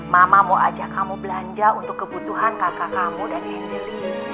mama mau ngajak kamu belanja untuk kebutuhan kakak kamu dan angel linih